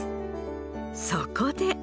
そこで。